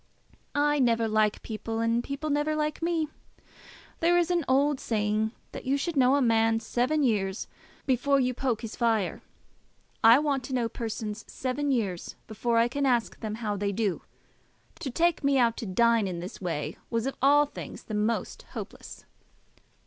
"I never like people, and people never like me. There is an old saying that you should know a man seven years before you poke his fire. I want to know persons seven years before I can ask them how they do. To take me out to dine in this way was of all things the most hopeless."